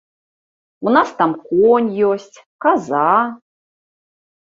У нас там конь ёсць, каза.